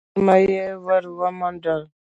په سږمه يې ور ومنډل.